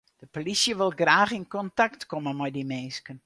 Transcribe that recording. De polysje wol graach yn kontakt komme mei dy minsken.